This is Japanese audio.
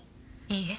いいえ。